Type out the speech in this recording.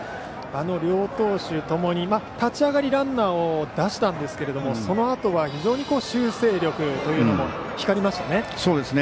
両投手ともに、立ち上がりランナーを出したんですがそのあとは、非常に修正力というのも光りましたね。